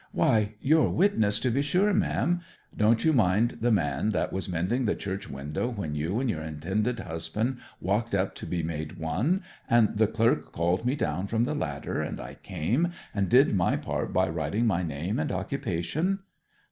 'Why, your witness to be sure, ma'am. Don't you mind the man that was mending the church window when you and your intended husband walked up to be made one; and the clerk called me down from the ladder, and I came and did my part by writing my name and occupation?'